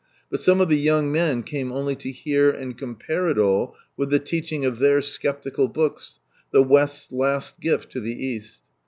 But some of the young men came only to hear and compare it all with the teaching of their sceptical books, the West's last gift to the East.